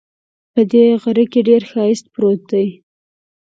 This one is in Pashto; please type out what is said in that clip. په دې غره کې ډېر ښایست پروت ده